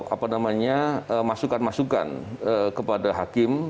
apa namanya masukan masukan kepada hakim